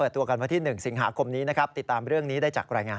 ติดตามเรื่องนี้ได้จากรายงาน